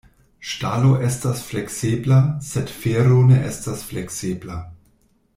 Ŝtalo estas fleksebla, sed fero ne estas fleksebla.